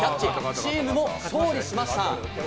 チームも勝利しました。